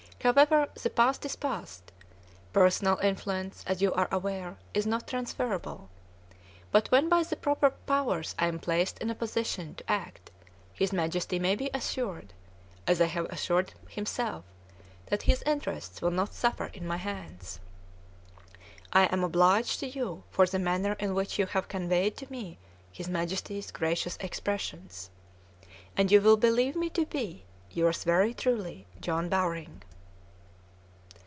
However, the past is past. Personal influence, as you are aware, is not transferable; but when by the proper powers I am placed in a position to act, his Majesty may be assured as I have assured himself that his interests will not suffer in my hands. I am obliged to you for the manner in which you have conveyed to me his Majesty's gracious expressions. And you will believe me to be Yours very truly, JOHN BOWRING.